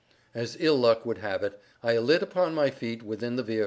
As ill luck would have it, I alit upon my feet within the vehicle.